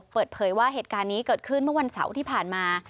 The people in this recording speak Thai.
เปิดเผยว่าเหตุการณ์นี้เกิดขึ้นเมื่อวันเสาร์ที่ผ่านมา